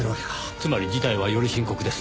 つまり事態はより深刻です。